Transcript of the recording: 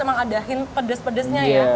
emang adakin pedes pedesnya ya iya